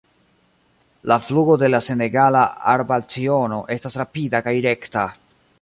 La flugo de la Senegala arbalciono estas rapida kaj rekta.